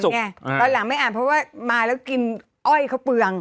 ไงตอนหลังไม่อ่านเพราะว่ามาแล้วกินอ้อยข้าวเปลือง